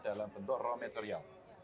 dalam bentuk raw material